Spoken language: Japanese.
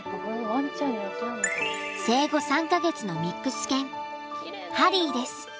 生後３か月のミックス犬ハリーです。